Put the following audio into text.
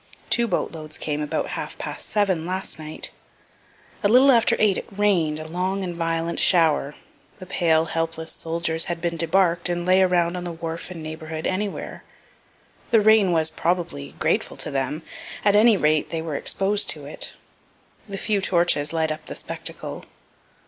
Two boat loads came about half past seven last night. A little after eight it rain'd a long and violent shower. The pale, helpless soldiers had been debark'd, and lay around on the wharf and neighborhood anywhere. The rain was, probably, grateful to them; at any rate they were exposed to it. The few torches light up the spectacle.